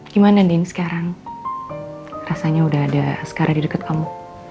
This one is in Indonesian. gimana nin sekarang rasanya udah ada askara di deket kamu